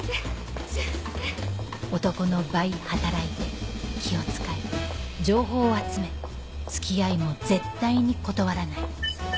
男の倍働いて気を使い情報を集め付き合いも絶対に断らない